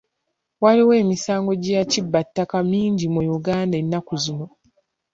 Waliwo emisango gy'ekibba ttaka mungi mu Uganda ennaku zino.